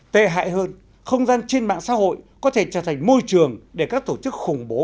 tệ hại hơn không gian trên mạng xã hội có thể trở thành môi trường để các tổ chức khủng bố